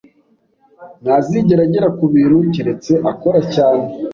Ntazigera agera kubintu keretse akora cyane